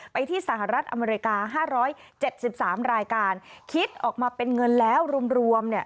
ไปที่สหรัฐอเมริกา๕๗๓รายการคิดออกมาเป็นเงินแล้วรวม